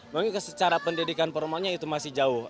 mungkin secara pendidikan formalnya itu masih jauh